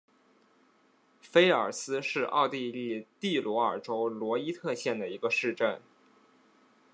菲尔斯是奥地利蒂罗尔州罗伊特县的一个市镇。